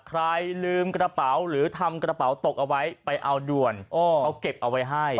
ใครลืมกระเป๋าหรือทำกระเป๋าตกเอาไว้ไปเอาด่วนเขาเก็บเอาไว้ให้